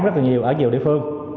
rất nhiều ở nhiều địa phương